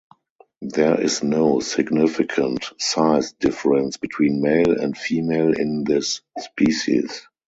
There is no significant size difference between male and female in this species.